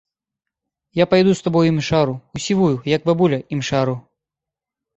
Я пайду з табой у імшару, у сівую, як бабуля, імшару!